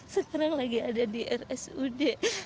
sekarang lagi ada di rsud